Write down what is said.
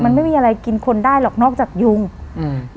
มันไม่มีอะไรกินคนได้หรอกนอกจากยุงอืม